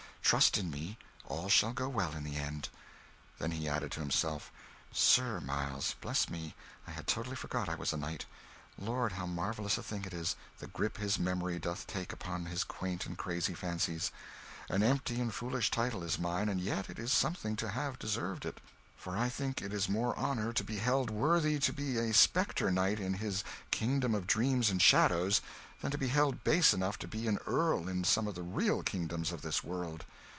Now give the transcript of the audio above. Trust in me all shall go well in the end." Then he added to himself: "Sir Miles! Bless me, I had totally forgot I was a knight! Lord, how marvellous a thing it is, the grip his memory doth take upon his quaint and crazy fancies! ... An empty and foolish title is mine, and yet it is something to have deserved it; for I think it is more honour to be held worthy to be a spectre knight in his Kingdom of Dreams and Shadows, than to be held base enough to be an earl in some of the real kingdoms of this world."